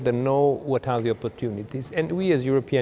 cái này cũng xảy ra trong các nước khác